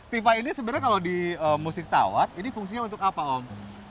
tifa ini sebenarnya kalau di musik sawat ini fungsinya untuk apa om